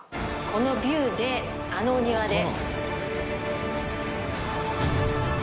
このビューであのお庭で。